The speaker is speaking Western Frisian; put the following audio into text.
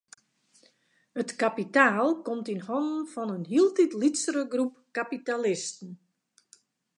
It kapitaal komt yn hannen fan in hieltyd lytsere groep kapitalisten.